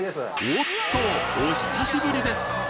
おっとお久しぶりです！